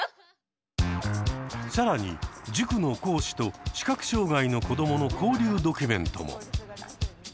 更に塾の講師と視覚障害の子どもの交流ドキュメントも。